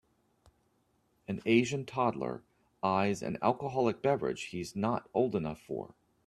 An Asian toddler eyes an alcoholic beverage he 's not old enough for.